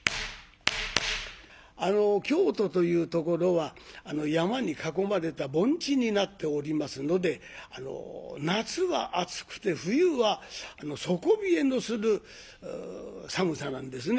あの京都というところは山に囲まれた盆地になっておりますので夏は暑くて冬は底冷えのする寒さなんですね。